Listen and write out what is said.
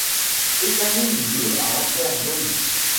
Étamines bleues à anthères jaunes.